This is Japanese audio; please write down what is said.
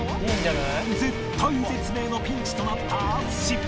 絶体絶命のピンチとなった淳